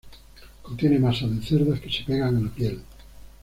Contiene masas de cerdas que se pegan a la piel.